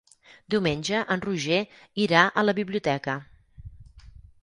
Diumenge en Roger irà a la biblioteca.